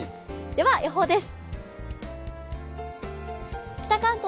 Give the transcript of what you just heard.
では予報です。